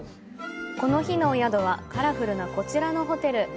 この日のお宿は、カラフルなこちらのホテル。